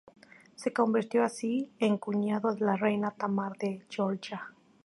Se convirtió así en cuñado de la reina Tamar de Georgia.